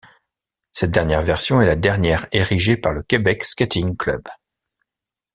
Cette dernière version est la dernière érigée par le Quebec Skating Club.